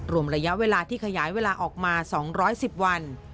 รวมระยะเวลาที่ขยายเวลาออกมา๒๑๐วัน